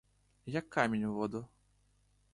Як камінь у воду!